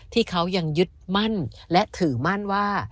ที่เขายังยึดมั่นและถือมั่นว่า